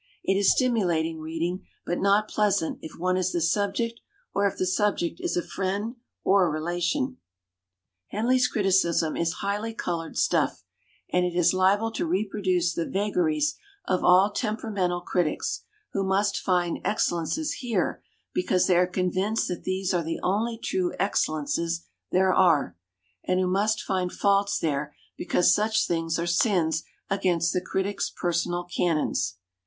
It is stimulating reading, but not pleasant if one is the subject or if the subject is a friend or relation. Henley's criticism is highly colored stuff, and it is liable to reproduce the vagaries of all temperamental critics, who must find excellences here because they are convinced that these are the only true excellences there are, and who must find faults there because such things are sins against the critic's personal canons.